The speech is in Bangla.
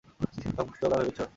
হুম, তোমরা ভেবেছ?